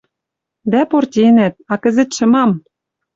Дӓ портенӓт. А кӹзӹтшӹ мам